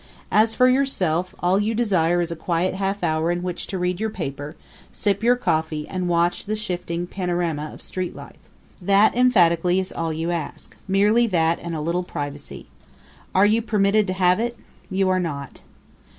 As for yourself, all you desire is a quiet half hour in which to read your paper, sip your coffee, and watch the shifting panorama of street life. That emphatically is all you ask; merely that and a little privacy. Are you permitted to have it? You are not.